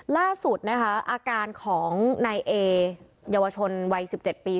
ล่าสุดนะคะอาการของนายเอเยาวชนวัย๑๗ปี